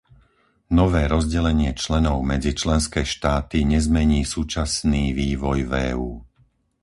Nové rozdelenie členov medzi členské štáty nezmení súčasný vývoj v EÚ.